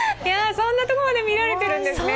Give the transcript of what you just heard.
そんなとこまで見られてるんですね。